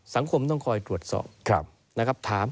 สังคมต้องคอยตรวจสอบถาม